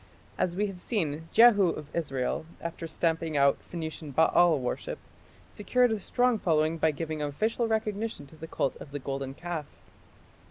As we have seen, Jehu of Israel, after stamping out Phoenician Baal worship, secured a strong following by giving official recognition to the cult of the golden calf.